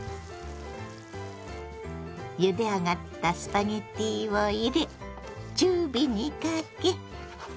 ゆで上がったスパゲッティを入れ中火にかけ。